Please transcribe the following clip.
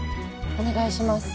お願いします。